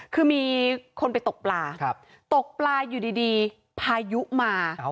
คือมีคนไปตกปลาตกปลาอยู่ดีพายุมา